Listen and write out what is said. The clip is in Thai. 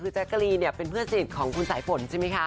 แจ๊กลีเป็นเพื่อนสิทธิ์ของคุณสายฝนใช่ไหมคะ